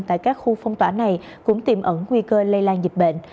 tại các khu phong tỏa này cũng tiềm ẩn nguy cơ lây lan dịch bệnh